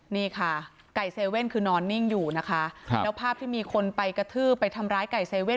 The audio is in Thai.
นี่ค่ะไก่เซเว่นคือนอนนิ่งอยู่นะคะแล้วภาพที่มีคนไปกระทืบไปทำร้ายไก่เซเว่น